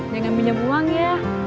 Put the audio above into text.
jangan minum uang ya